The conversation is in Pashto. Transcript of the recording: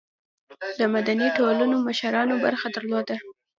د مدني ټولنو مشرانو برخه درلوده.